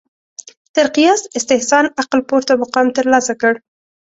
تر قیاس استحسان عقل پورته مقام ترلاسه کړ